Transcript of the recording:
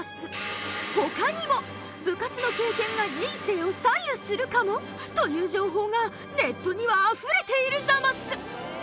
他にも部活の経験が人生を左右するかも！？という情報がネットにはあふれているザマス！